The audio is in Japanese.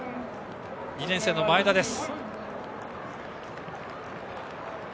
２年生の前田です。